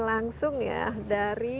langsung ya dari